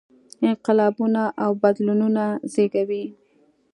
انقلابونه او بدلونونه زېږوي.